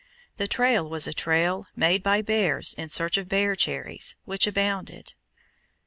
The trail was a trail made by bears in search of bear cherries, which abounded!